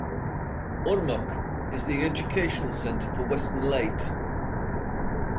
Ormoc is the educational center for western Leyte.